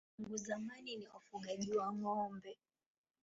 Tangu zamani ni wafugaji wa ng'ombe.